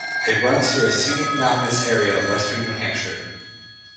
It runs through a scenic, mountainous area of western New Hampshire.